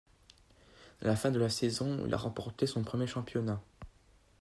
À la fin de la saison, il a remporté son premier championnat.